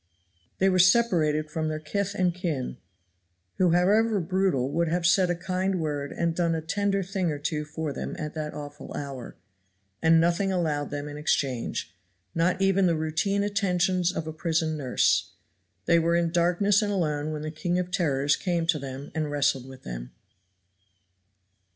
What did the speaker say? They were separated from their kith and kin, who however brutal would have said a kind word and done a tender thing or two for them at that awful hour; and nothing allowed them in exchange, not even the routine attentions of a prison nurse; they were in darkness and alone when the king of terrors came to them and wrestled with them.